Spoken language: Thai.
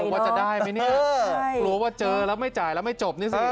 ว่าจะได้ไหมเนี่ยกลัวว่าเจอแล้วไม่จ่ายแล้วไม่จบนี่สิ